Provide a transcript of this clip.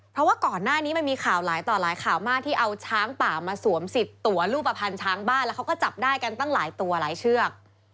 เพราะว่าก่อนหน้านี้มันมีข่าวหลายต่อหลายข่าวมากที่เอาช้างป่ามาสวม๑๐ตัวรูปภัณฑ์ช้างบ้านแล้วเขาก็จับได้กันตั้งหลายตัวหลายเชือก